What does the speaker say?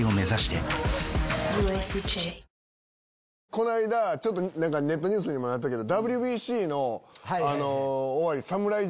この間ネットニュースにもなったけど。